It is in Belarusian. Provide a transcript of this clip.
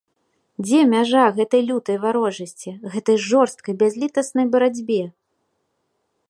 Дзе мяжа гэтай лютай варожасці, гэтай жорсткай бязлітаснай барацьбе?